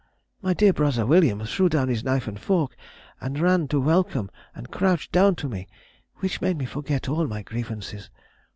My dear brother William threw down his knife and fork, and ran to welcome and crouched down to me, which made me forget all my grievances.